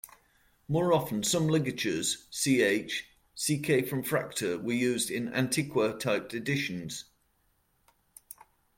More often, some ligatures ch, ck from Fraktur were used in antiqua-typed editions.